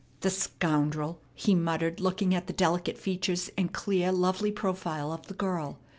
"The scoundrel!" he muttered, looking at the delicate features and clear, lovely profile of the girl.